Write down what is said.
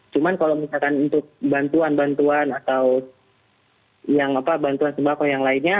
cuma kalau misalkan untuk bantuan bantuan atau bantuan sembako yang lainnya